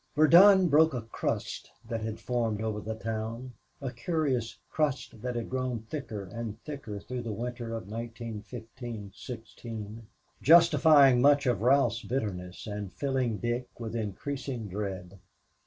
Verdun broke a crust that had formed over the town; a curious crust which had grown thicker and thicker through the winter of 1915 16, justifying much of Ralph's bitterness and filling Dick with increasing dread.